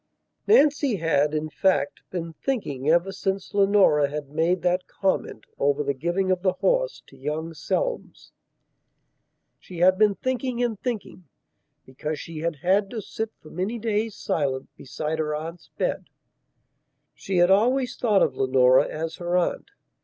III NANCY had, in fact, been thinking ever since Leonora had made that comment over the giving of the horse to young Selmes. She had been thinking and thinking, because she had had to sit for many days silent beside her aunt's bed. (She had always thought of Leonora as her aunt.)